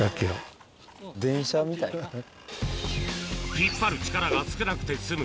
引っ張る力が少なくて済む